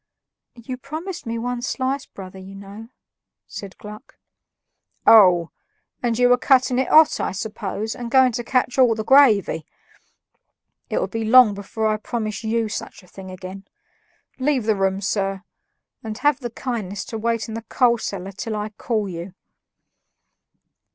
"You promised me one slice, brother, you know," said Gluck. "Oh! and you were cutting it hot, I suppose, and going to catch all the gravy. It'll be long before I promise you such a thing again. Leave the room, sir; and have the kindness to wait in the coal cellar till I call you."